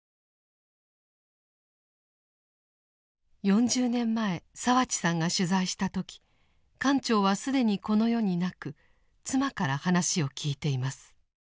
４０年前澤地さんが取材した時艦長は既にこの世になく妻から話を聞いています。